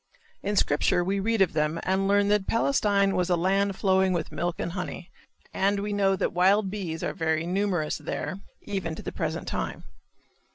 In Scripture we read of them and learn that Palestine was "a land flowing with milk and honey" and we know that wild bees are very numerous there even to the present time.